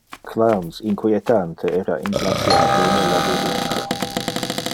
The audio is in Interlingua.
Clowns inquietante era implaciate in le labyrintho.